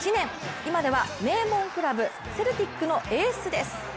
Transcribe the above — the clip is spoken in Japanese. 今では名門クラブセルティックのエースです。